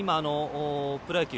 プロ野球